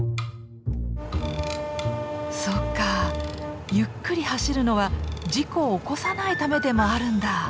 そっかゆっくり走るのは事故を起こさないためでもあるんだ。